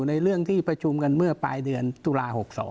แล้ว๓๔ประชุมกันเมื่อปลายเดือนทุลา๖๒